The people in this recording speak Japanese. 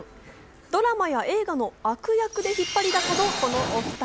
ドラマや映画の悪役で引っ張りだこのこのお２人。